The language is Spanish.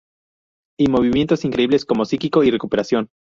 Y movimientos increíbles como Psíquico y Recuperación.